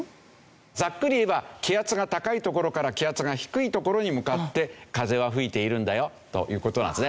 ざっくり言えば気圧が高い所から気圧が低い所に向かって風は吹いているんだよという事なんですね。